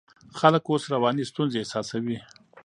خلک اوس رواني ستونزې احساسوي.